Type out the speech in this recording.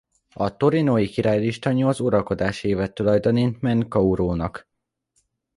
A torinói királylista nyolc uralkodási évet tulajdonít Menkauhórnak.